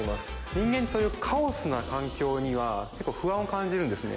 人間ってそういうカオスな環境には結構不安を感じるんですね